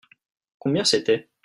Combien c'était ?